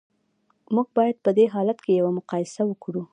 موږ باید په دې حالت کې یوه مقایسه وکړو